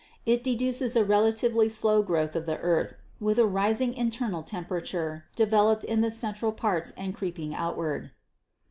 ... It de duces a relatively slow growth of the earth, with a rising internal temperature developed in the central parts and creeping outward."